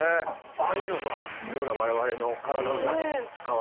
ああいうのがいろんな我々の体のために使われるということ。